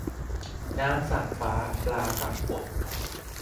น้ำสั่งฟ้า ปลาสั่งฝน